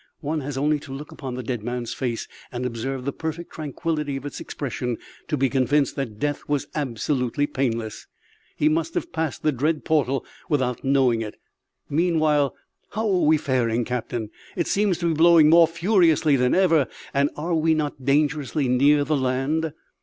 One has only to look upon the dead man's face and observe the perfect tranquillity of its expression to be convinced that death was absolutely painless; he must have passed the dread portal without knowing it. Meanwhile, how are we faring, captain? It seems to be blowing more furiously than ever; and are we not dangerously near the land?"